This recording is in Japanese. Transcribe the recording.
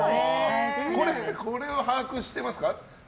これは把握してますか？